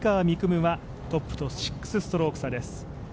夢はトップと６ストローク差です。